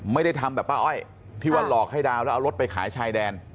ไม่ได้ทำแบบป้าอ้อยที่ว่าหลอกให้ดาวแล้วเอารถไปขายชายแดน